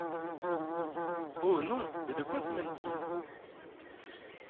Oh ! non, mais de quoi se mêle-t-il ?